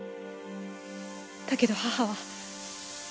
だけど母は。